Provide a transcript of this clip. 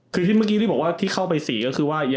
คือที่เมื่อกี้พี่บอกที่เข้าไป๔ก็สมมุติว่า